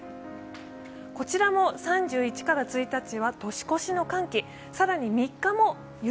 こちらも３１から１日は年越しの寒気、更に３日も雪。